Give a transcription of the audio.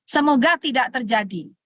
semoga tidak terjadi